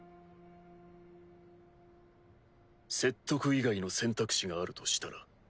説得以外の選択肢があるとしたら？